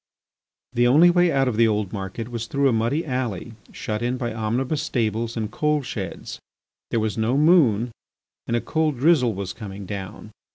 The only way out of the old market was through a muddy alley shut in by omnibus stables and coal sheds. There was no moon and a cold drizzle was coming down.